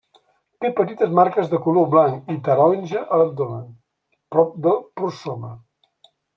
Té petites marques de color blanc i taronja a l'abdomen, prop del prosoma.